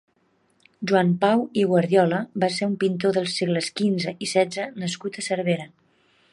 Joan Pau i Guardiola va ser un pintor dels segles quinze i setze nascut a Cervera.